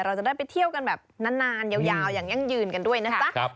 เราจะได้ไปเที่ยวกันแบบนานยาวอย่างยั่งยืนกันด้วยนะจ๊ะ